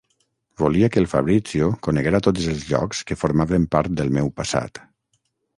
Volia que el Fabrizio coneguera tots els llocs que formaven part del meu passat.